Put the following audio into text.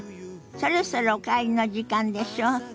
そろそろお帰りの時間でしょ？